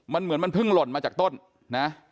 มันเหมือนมันเพิ่งหล่นมาจากต้นนะ